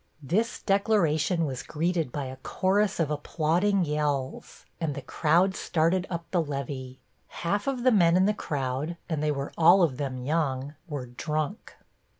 This declaration was greeted by a chorus of applauding yells, and the crowd started up the levee. Half of the men in the crowd, and they were all of them young, were drunk.